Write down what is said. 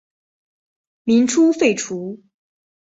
民初废除。